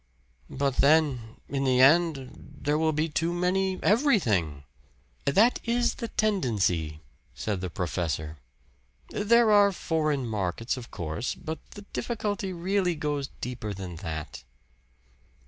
"But then in the end there will be too many everything." "That is the tendency," said the professor. "There are foreign markets, of course. But the difficulty really goes deeper than that."